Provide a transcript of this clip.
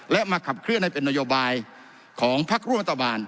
และมาขับเคลื่อนให้เป็นนโยบายของพักร่วมรัฐบาล